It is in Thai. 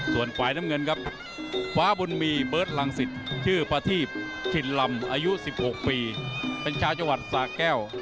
ส่วนฝ่ายน้ำเงินครับฟ้าบุญมีเบิร์ตรังสิตชื่อประทีพชินลำอายุ๑๖ปีเป็นชาวจังหวัดสาแก้ว